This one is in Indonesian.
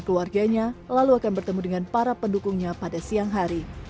dan keluarganya lalu akan bertemu dengan para pendukungnya pada siang hari